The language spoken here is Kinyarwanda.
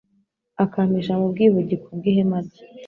akampisha mu bwihugiko bw’ihema rye